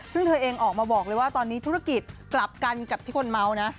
ซึ่งเธอเองออกมาบอกเลยว่าตอนนี้ธุรกิจกลับกันกับที่คนเมาส์นะ